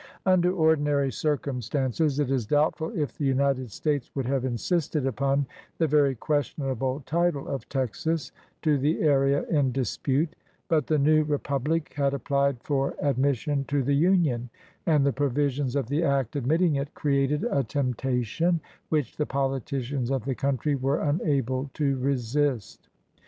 Under ordinary circumstances it is doubtful if the United States would have insisted upon the very questionable title of Texas to the area in dispute; but the new republic had applied for admission to the Union and the pro visions of the act admitting it created a tempta tion which the politicians of the country were unable to resist.